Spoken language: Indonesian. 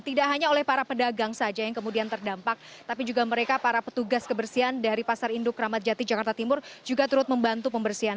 tidak hanya oleh para pedagang saja yang kemudian terdampak tapi juga mereka para petugas kebersihan dari pasar induk ramadjati jakarta timur juga turut membantu pembersihan